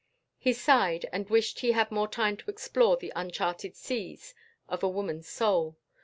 He sighed and wished he had more time to explore the uncharted seas of a woman's soul.